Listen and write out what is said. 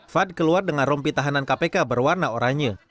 fad keluar dengan rompi tahanan kpk berwarna oranye